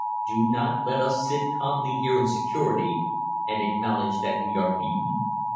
Do not let us sit calmly here in security, and acknowledge that we are beaten.